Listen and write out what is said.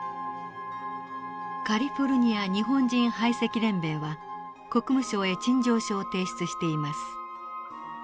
カリフォルニア日本人排斥連盟は国務省へ陳情書を提出しています。